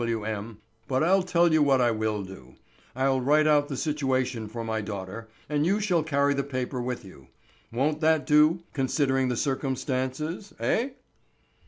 F. W. M.; but I'll tell you what I will do. I'll write out the situation for my daughter, and you shall carry the paper with you. Won't that do, considering the circumstances, eh?"